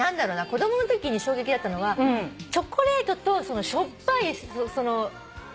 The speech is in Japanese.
子供のときに衝撃だったのはチョコレートとしょっぱいその。